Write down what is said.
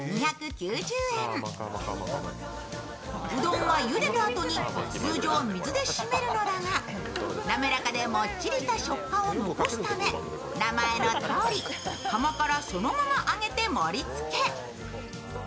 うどんはゆでたあとに通常は水で締めるのだが滑らかでもっちりとした食感を残すため名前のとおり釜からそのまま揚げて盛り付け。